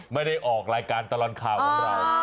ไม่ได้ออกรายการตลอดข่าวของเรา